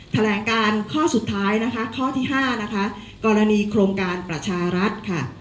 แถลงการข้อสุดท้ายนะคะข้อที่๕นะคะกรณีโครงการประชารัฐค่ะ